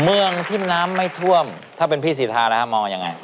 เมืองที่น้ำไม่ท่วมถ้าเป็นพี่สิทธาแล้วฮะมองยังไง